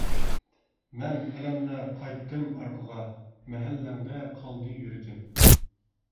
مەن ئەلەمدە قايتتىم ئارقىغا، مەھەللەڭدە قالدى يۈرىكىم.